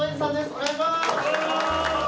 お願いします！